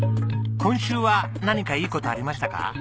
今週は何かいい事ありましたか？